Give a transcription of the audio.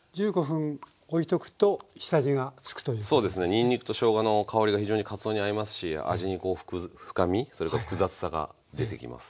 にんにくとしょうがの香りが非常にかつおに合いますし味にこう深みそれと複雑さが出てきます。